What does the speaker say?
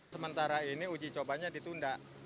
sebenarnya di sini di kawasan ini uji cobanya ditunda